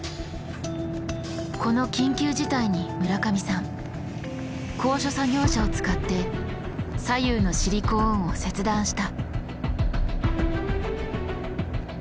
この緊急事態に村上さん高所作業車を使って左右のシリコーンを切断した。